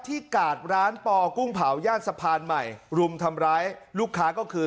กาดร้านปอกุ้งเผาย่านสะพานใหม่รุมทำร้ายลูกค้าก็คือ